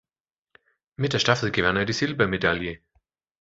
Mit der Staffel gewann er die Silbermedaille.